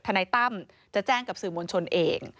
นายตั้มจะแจ้งกับสื่อมวลชนเอง